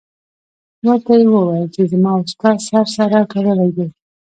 ورته یې وویل چې زما او ستا سر سره تړلی دی.